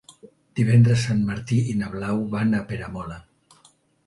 Divendres en Martí i na Blau van a Peramola.